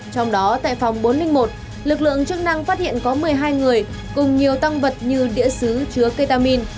trong đó tại phòng bốn trăm linh một lực lượng chức năng phát hiện có một mươi hai người cùng nhiều tăng vật như đĩa xứ chứa ketamin